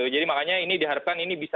makanya ini diharapkan ini bisa